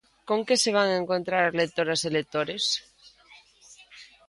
Con que se van encontrar as lectoras e lectores?